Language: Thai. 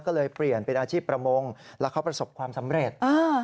ก็เลยเปลี่ยนเป็นอาชีพประมงแล้วเขาประสบความสำเร็จ